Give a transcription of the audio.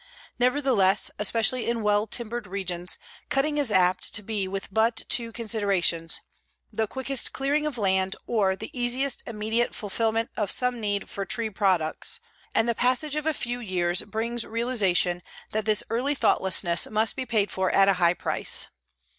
Nevertheless, especially in well timbered regions, cutting is apt to be with but two considerations the quickest clearing of land or the easiest immediate fulfillment of some need for tree products and the passage of a few years brings realization that this early thoughtlessness must be paid for at a high price.